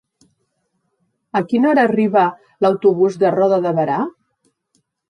A quina hora arriba l'autobús de Roda de Berà?